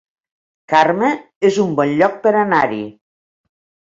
Carme es un bon lloc per anar-hi